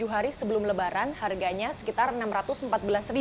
tujuh hari sebelum lebaran harganya sekitar rp enam ratus empat belas